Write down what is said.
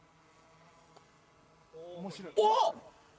おっ！